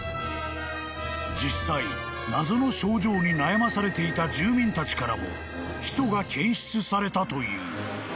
［実際謎の症状に悩まされていた住民たちからもヒ素が検出されたという］